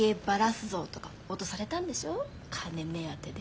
金目当てで。